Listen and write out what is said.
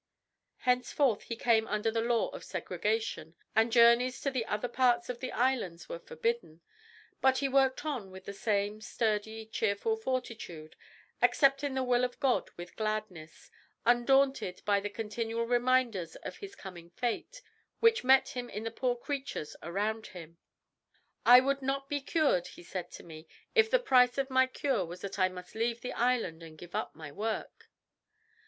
Henceforth he came under the law of segregation, and journeys to the ether parts of the islands were forbidden. But he worked on with the same sturdy, cheerful fortitude, accepting the will of God with gladness, undaunted by the continual reminders of his coming fate, which met him in the poor creatures around him. "I would not be cured," he said to me, "if the price of my cure was that I must leave the island and give up my work."